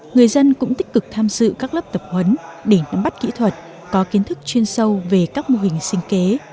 người dân cũng tích cực tham dự các lớp tập huấn để nắm bắt kỹ thuật có kiến thức chuyên sâu về các mô hình sinh kế